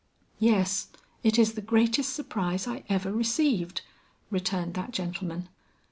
"Yes, it is the greatest surprise I ever received," returned that gentleman.